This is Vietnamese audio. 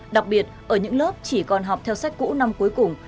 đặc biệt ở những lớp chỉ còn học theo sách cũ năm cuối cùng